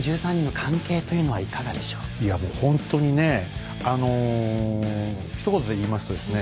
ただいやもうほんとにねあのひと言で言いますとですね